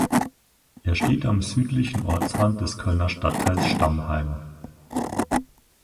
Er steht am südlichen Ortsrand des Kölner Stadtteils Stammheim.